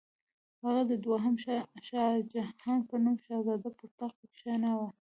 هغه د دوهم شاهجهان په نوم شهزاده پر تخت کښېناوه.